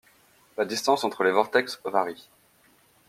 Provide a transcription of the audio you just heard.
la distance entre les vortex varie